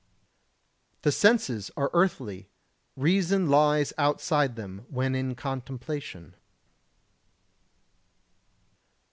The senses are earthly; reason lies outside them when in contemplation.